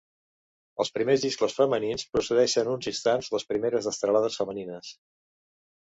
Els primers xiscles femenins precedeixen uns instants les primeres destralades femenines.